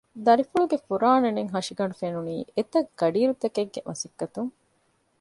ދަރިފުޅުގެ ފުރާނަނެތް ހަށިގަނޑު ފެނުނީ އެތަށް ގަޑިއިރުތަކެއްގެ މަސައްކަތުން